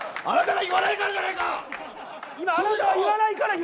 あなたが言わないからじゃないか！！